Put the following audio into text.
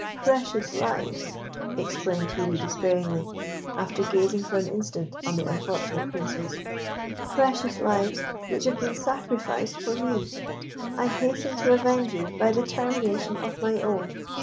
"Precious lives," exclaimed Hebe, despairingly, after gazing for an instant on the unfortunate Princes, "precious lives, which have been sacrificed for me; I hasten to avenge you by the termination of my own!"